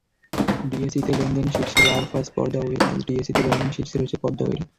ডিএসইতে লেনদেনে শীর্ষে লাফার্জ পদ্মা অয়েলআজ ডিএসইতে লেনদেনে শীর্ষে রয়েছে পদ্মা অয়েল।